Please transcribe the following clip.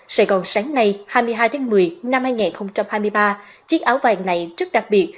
sài gòn sáng nay hai mươi hai tháng một mươi năm hai nghìn hai mươi ba chiếc áo vàng này rất đặc biệt